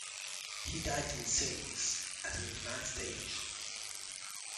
He died at Silves, at an advanced age.